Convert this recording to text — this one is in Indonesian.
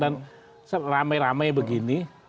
dan seramai ramai begini